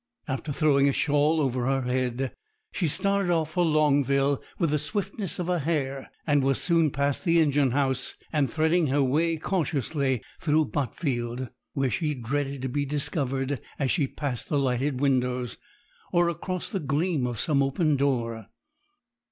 After throwing a shawl over her head, she started off for Longville with the swiftness of a hare; and was soon past the engine house, and threading her way cautiously through Botfield, where she dreaded to be discovered as she passed the lighted windows, or across the gleam of some open door.